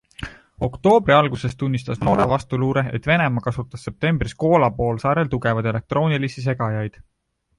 Oktoobri alguses tunnistas Norra vastuluure, et Venemaa kasutas septembris Koola poolsaarel tugevaid elektroonilisi segajaid.